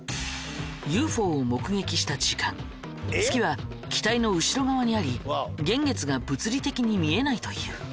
ＵＦＯを目撃した時間月は機体の後ろ側にあり幻月が物理的に見えないという。